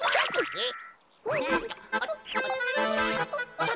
えっ？